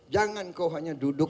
jangan kau hanya duduk